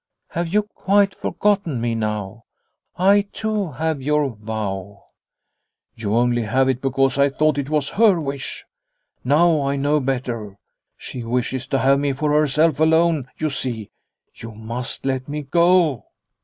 " Have you quite forgotten me now ? I, too, have your vow." " You only have it because I thought it was her wish. Now I know better. She wishes to have me for herself alone, you see. You must let me go